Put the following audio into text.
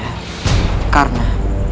hukum harus ditegakkan bunda